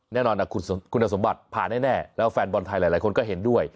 แน่นอนคุณสมบัติผ่านแน่แล้วแฟนบอลไทยหลายคนก็เห็นด้วย